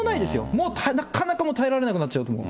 もうなかなか耐えられなくなっちゃうと思う。